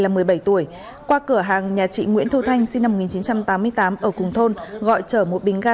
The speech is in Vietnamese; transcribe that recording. là một mươi bảy tuổi qua cửa hàng nhà chị nguyễn thu thanh sinh năm một nghìn chín trăm tám mươi tám ở cùng thôn gọi chở một bình ga